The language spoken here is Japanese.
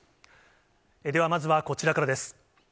ではまずはこちらからです。